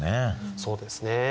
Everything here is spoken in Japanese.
そうですね。